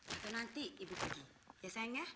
atau nanti ibu pergi ya sayangnya